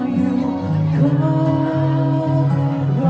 คอนต้องร้อง